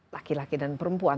laki laki dan perempuan